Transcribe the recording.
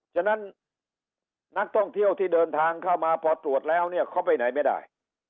ฉะนั้นนักท่องเที่ยวที่เดินทางเข้ามาพอตรวจแล้วเนี่ยเขาไปไหนไม่ได้